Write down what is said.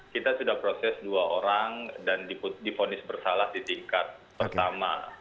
kita sudah proses dua orang dan diponis bersalah di tingkat pertama